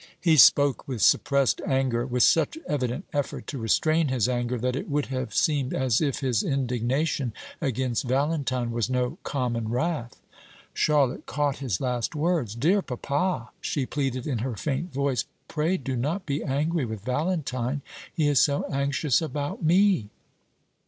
He spoke with suppressed anger; with such evident effort to restrain his anger, that it would have seemed as if his indignation against Valentine was no common wrath. Charlotte caught his last words. "Dear papa," she pleaded in her faint voice, "pray do not be angry with Valentine; he is so anxious about me."